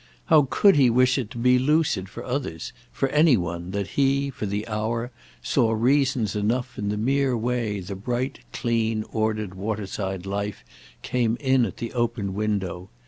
How could he wish it to be lucid for others, for any one, that he, for the hour, saw reasons enough in the mere way the bright clean ordered water side life came in at the open window?